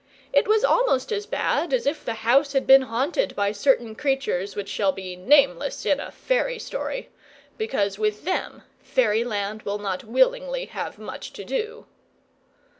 It was almost as bad as if the house had been haunted by certain creatures which shall be nameless in a fairy story, because with them Fairyland will not willingly have much to do.